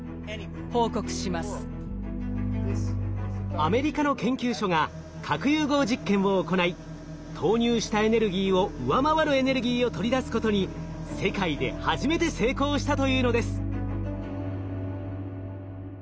アメリカの研究所が核融合実験を行い投入したエネルギーを上回るエネルギーを取り出すことに世界で初めて成功したというのです。